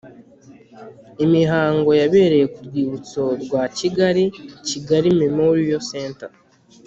Imihango yabereye ku rwibutso rwa Kigali Kigali Memorial Centre